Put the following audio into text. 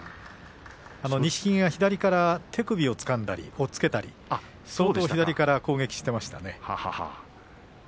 錦木が左から手首をつかんだり押っつけたり左から攻撃していましたね。